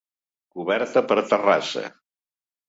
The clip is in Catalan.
Coberta per terrassa.